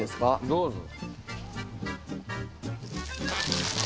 どうぞ。